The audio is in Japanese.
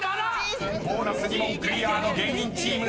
［ボーナス２問クリアの芸人チーム。